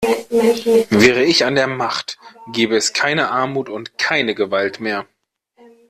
Wäre ich an der Macht, gäbe es keine Armut und keine Gewalt mehr!